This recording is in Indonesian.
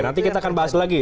nanti kita akan bahas lagi